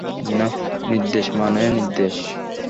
নির্দেশ মানে নির্দেশ!